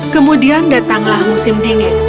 kemudian datanglah musim dingin